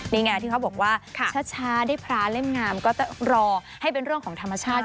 นี่ไงที่เขาบอกว่าช้าได้พระเล่มงามก็ต้องรอให้เป็นเรื่องของธรรมชาติ